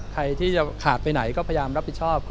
ใครที่จะขาดไปไหนก็พยายามรับผิดชอบ